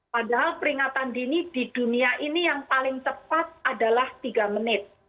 padahal peringatan dini di dunia ini yang paling cepat adalah tiga menit